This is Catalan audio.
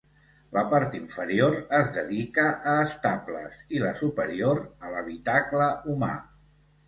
La part inferior es dedica a estables i la superior, a l'habitacle humà.